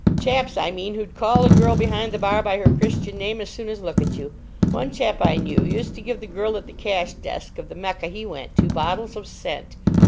Chaps, I mean, who'd call a girl behind the bar by her Christian name as soon as look at you. One chap I knew used to give the girl at the cash desk of the 'Mecca' he went to bottles of scent.